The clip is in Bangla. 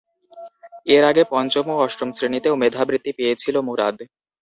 এর আগে পঞ্চম ও অষ্টম শ্রেণিতেও মেধা বৃত্তি পেয়েছিল মুরাদ।